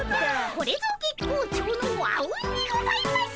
これぞ月光町のあうんにございます！